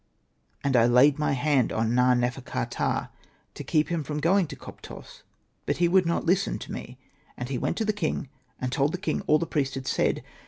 And T laid my hand on Na.nefer.ka.ptah, to keep him from going to Koptos, but he would not listen to me ; and he went to the king, and told the king all that the priest had said.